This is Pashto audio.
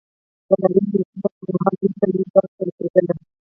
د نړۍ وېشنې پر مهال دوی ته لږ برخه رسېدلې